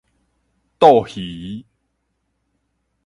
蠹魚